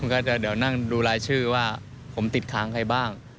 ก็จะเดี๋ยวนั่งดูรายชื่อว่าผมติดค้างใครบ้าง